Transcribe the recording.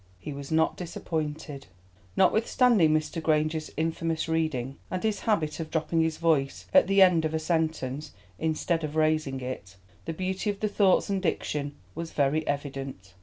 He was not disappointed. Notwithstanding Mr. Granger's infamous reading, and his habit of dropping his voice at the end of a sentence, instead of raising it, the beauty of the thoughts and diction was very evident.